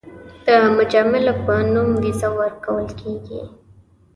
د مجامله په نوم ویزه ورکول کېږي.